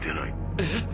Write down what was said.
えっ！？